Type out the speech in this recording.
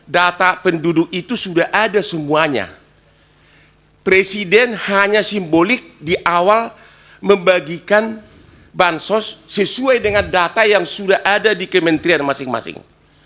data penduduk itu sudah ada semuanya presiden hanya simbolik di awal membagikan bansos sesuai dengan data yang sudah ada di kementerian masing masing